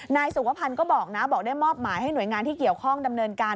นายสุวพันธ์ก็บอกนะบอกได้มอบหมายให้หน่วยงานที่เกี่ยวข้องดำเนินการ